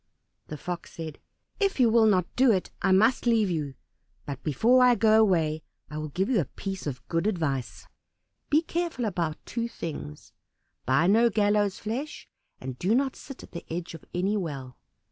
The Fox said, "If you will not do it I must leave you, but before I go away I will give you a piece of good advice. Be careful about two things. Buy no gallows' flesh, and do not sit at the edge of any well."